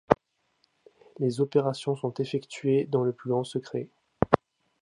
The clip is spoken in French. Ses opérations sont effectuées dans le plus grand secret.